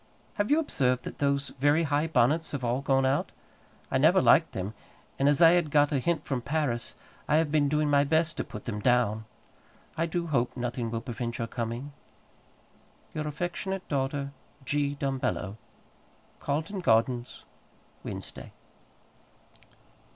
Have you observed that those very high bonnets have all gone out: I never liked them; and as I had got a hint from Paris, I have been doing my best to put them down. I do hope nothing will prevent your coming. Your affectionate daughter, G. DUMBELLO. Carlton Gardens, Wednesday.